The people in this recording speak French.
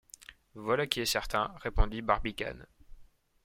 Voilà qui est certain, répondit Barbicane.